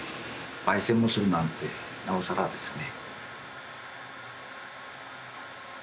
ばい煎もするなんてなおさらですね。